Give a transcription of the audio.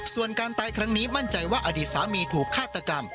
ส่วนการตายครั้งนี้มั่นใจว่าอดีตสามีถูกฆาตกรรม